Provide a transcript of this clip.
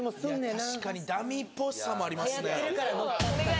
確かにダミーっぽさもありますねお願い！